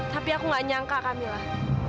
tapi aku gak nyangka kamilah